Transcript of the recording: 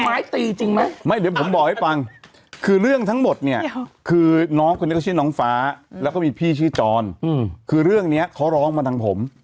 ไม้ตีจริงไหมไม่เดี๋ยวผมบอกให้ฟังคือเรื่องทั้งหมดเนี่ยคือน้องคนนี้เขาชื่อน้องฟ้าแล้วก็มีพี่ชื่อจรคือเรื่องเนี้ยเขาร้องมาทางผม